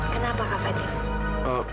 kenapa kak fadil